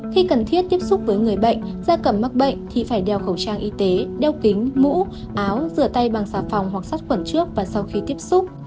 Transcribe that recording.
khi cần thiết tiếp xúc với người bệnh da cầm mắc bệnh thì phải đeo khẩu trang y tế đeo kính mũ áo rửa tay bằng xà phòng hoặc sát khuẩn trước và sau khi tiếp xúc